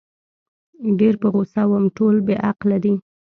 ډېر په غوسه وم، ټول بې عقله دي.